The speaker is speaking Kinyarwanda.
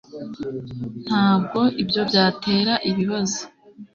ntabwo ibyo byatera ibibazo